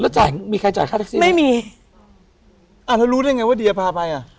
จ่ายมีใครจ่ายค่าแท็กซี่ไม่มีอ่าแล้วรู้ได้ไงว่าเดียพาไปอ่ะ